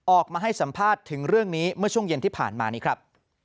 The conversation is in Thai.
ออกมาให้สัมภาษณ์ถึงเรื่องนี้เมื่อช่วงเย็นที่ผ่านมานี้ครับ